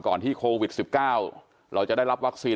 ที่โควิด๑๙เราจะได้รับวัคซีน